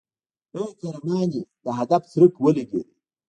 ای قهرمانې د هدف څرک ولګېد.